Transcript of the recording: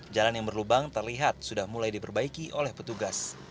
jalan yang berlubang terlihat sudah mulai diperbaiki oleh petugas